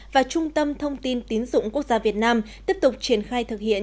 và trung tâm thông tin tín dụng quốc gia việt nam tiếp tục triển khai thực hiện